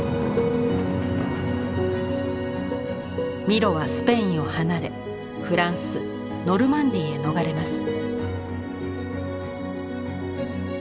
ミロはスペインを離れフランス・ノルマンディーへ逃れます。